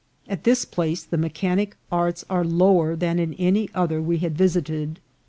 At this place the mechanic arts were lower than in any other we had visited.